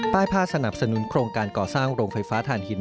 ผ้าสนับสนุนโครงการก่อสร้างโรงไฟฟ้าฐานหิน